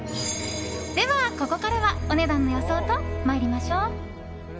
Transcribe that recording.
では、ここからはお値段の予想と参りましょう。